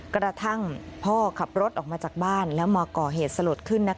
กระทั่งพ่อขับรถออกมาจากบ้านแล้วมาก่อเหตุสลดขึ้น